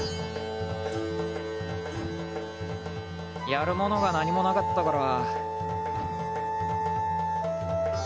やるものが何もなかったから。